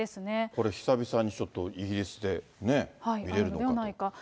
これ、久々にちょっと、イギリスで見れるのかと。